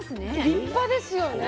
立派ですよね。